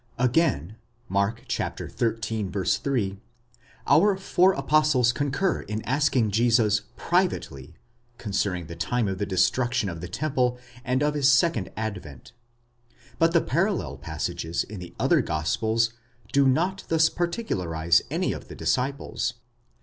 * Again, Mark xiii. 3, our four apostles concur in asking Jesus privately (κατ᾽ ἰδίαν) concerning the time of the destruction of the temple, and of his second advent. But the parallel passages in the other gospels do not thus particularize any of the disciples.